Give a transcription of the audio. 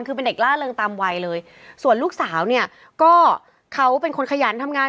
คือเป็นเด็กล่าเริงตามวัยเลยส่วนลูกสาวเนี่ยก็เขาเป็นคนขยันทำงาน